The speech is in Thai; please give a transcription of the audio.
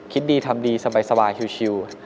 คิดดีทำดีสบายชิว